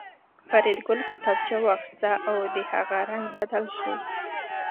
فریدګل کتابچه واخیسته او د هغه رنګ بدل شو